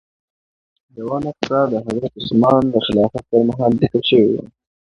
چې یوه نسخه د حضرت عثمان د خلافت په مهال لیکل شوې وه.